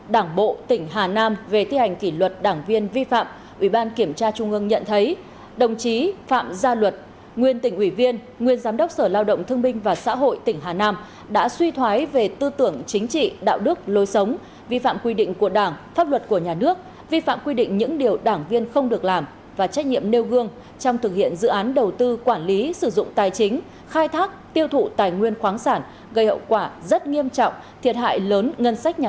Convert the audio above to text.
đảng bộ tỉnh hà nam về thi hành kỷ luật đảng viên vi phạm ủy ban kiểm tra trung ương nhận thấy đồng chí phạm gia luật nguyên tỉnh ủy viên nguyên giám đốc sở lao động thương minh và xã hội tỉnh hà nam đã suy thoái về tư tưởng chính trị đạo đức lối sống vi phạm quy định của đảng pháp luật của nhà nước vi phạm quy định những điều đảng viên không được làm và trách nhiệm nêu gương trong thực hiện dự án đầu tư quản lý sử dụng tài chính khai thác tiêu thụ tài nguyên khoáng sản gây hậu quả rất nghiêm trọng thiệt h